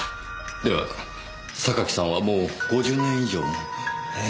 では榊さんはもう５０年以上も？ええ。